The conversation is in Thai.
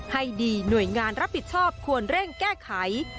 ให้ดีหน่วยงานรับผิดชอบควรเร่งแก้ไข